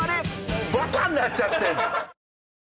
バカになっちゃって。